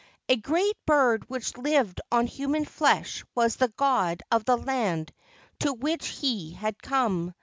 A great bird which lived on human flesh was the god of the land to which he had come.